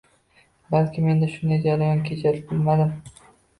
Balki menda shunday jarayon kechar, bilmadim